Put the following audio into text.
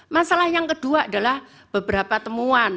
masalah yang kedua adalah beberapa temuan